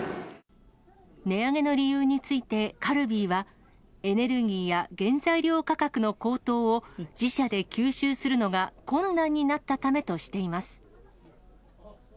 値上げの理由について、カルビーは、エネルギーや原材料価格の高騰を、自社で吸収するのが困難になったためとしています。